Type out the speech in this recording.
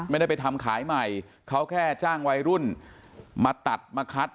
ไม่ได้ไปทำขายใหม่เขาแค่จ้างวัยรุ่นมาตัดมาคัด